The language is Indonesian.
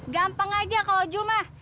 gampang aja kalau jules mah